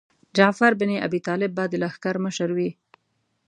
جعفر ابن ابي طالب به د لښکر مشر وي.